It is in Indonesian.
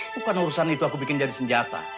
bukan urusan itu aku bikin jadi senjata